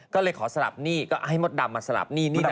ก็เลยขอสลับนี่ก็ให้มดดำมาสลับนี่นี่นี่